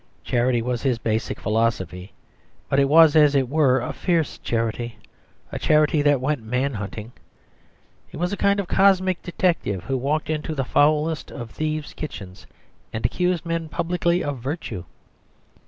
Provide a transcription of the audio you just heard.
Charity was his basic philosophy; but it was, as it were, a fierce charity, a charity that went man hunting. He was a kind of cosmic detective who walked into the foulest of thieves' kitchens and accused men publicly of virtue.